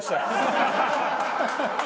ハハハハ！